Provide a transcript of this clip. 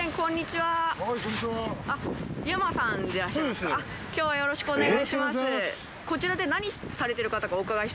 はい。